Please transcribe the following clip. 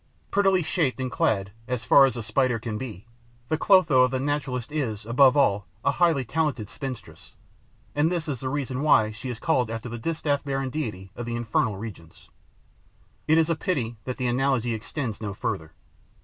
Prettily shaped and clad, as far as a Spider can be, the Clotho of the naturalists is, above all, a highly talented spinstress; and this is the reason why she is called after the distaff bearing deity of the infernal regions. It is a pity that the analogy extends no further.